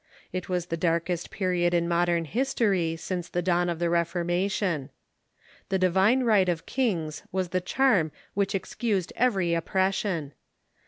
It was the darkest period in modern history since the dawn of the Reformation. The divine right of kings Avas the charm which excused every oppression.